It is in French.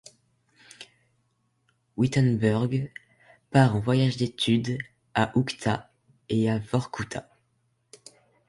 Wittenburg part en voyages d'études à Oukhta et à Vorkouta.